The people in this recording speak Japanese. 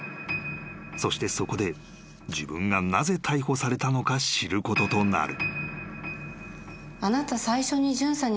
［そしてそこで自分がなぜ逮捕されたのか知ることとなる］